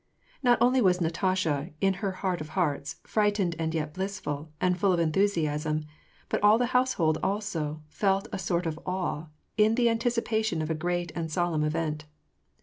Not only was Natasha, in her heart of hearts, frightened and yet blissful, and full of enthusiasm; but all the household also, felt a sort of awe, in the anticipation of a great and sol emn event.